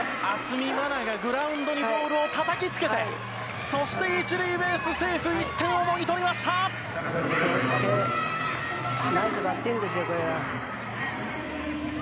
渥美万奈がグラウンドにボールをたたきつけて、そして１塁ベース、セーフ、１点をもぎ取りまＯＫ、ＯＫ。